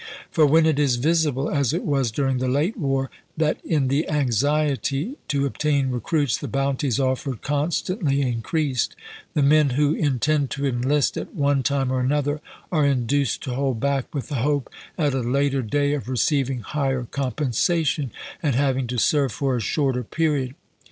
For when it is visible, as it was during the late war, that in the anxiety to obtain recruits the bounties offered constantly in creased, the men who intend to enlist at one time or another are induced to hold back with the hope at a later day of receiving higher compensation and having to serve for a shorter period.